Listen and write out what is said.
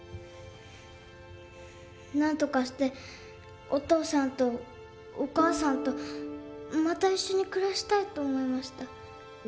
なんとかしてお父さんとお母さんとまた一緒に暮らしたいと思いました。